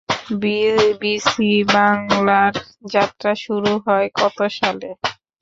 BBC বাংলার যাত্রা শুরু হয় কত সালে?